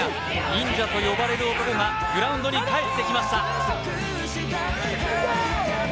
忍者と呼ばれる男がグラウンドに帰ってきました。